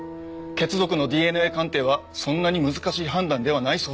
血族のＤＮＡ鑑定はそんなに難しい判断ではないそうです。